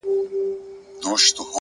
عاجزي د لوی انسان نښه ده؛